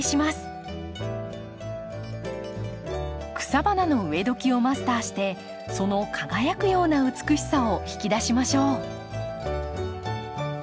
草花の植えどきをマスターしてその輝くような美しさを引き出しましょう。